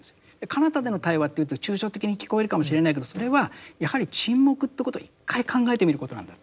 かなたでの対話というと抽象的に聞こえるかもしれないけどそれはやはり沈黙ということを一回考えてみることなんだ。